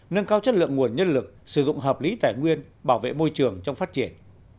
nâng cao chất lượng nguồn nhân lực sử dụng hợp lý tài nguyên bảo vệ môi trường trong phát triển